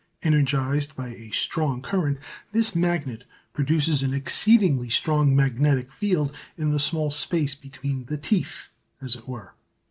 Energised by a strong current, this magnet produces an exceedingly strong magnetic field in the small space between the "teeth" as it were.